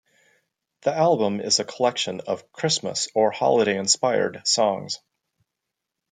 The album is a collection of Christmas or holiday-inspired songs.